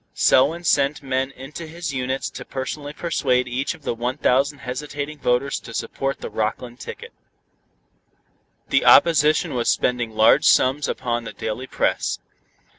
Selwyn sent men into his units to personally persuade each of the one thousand hesitating voters to support the Rockland ticket. The opposition was spending large sums upon the daily press.